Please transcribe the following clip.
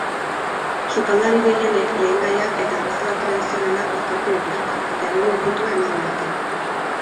Sukaldari gehienek lehengaiak eta errezeta tradizionalak uztartu dituzte eta egungo ukitua eman diete.